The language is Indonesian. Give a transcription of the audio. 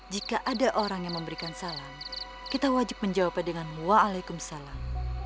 jika ada orang yang memberikan salam kita wajib menjawabnya dengan waalaikumsalam